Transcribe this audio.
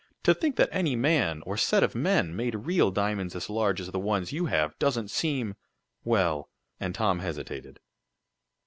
To think that any man, or set of men, made real diamonds as large as the ones you have, doesn't seem well " and Tom hesitated.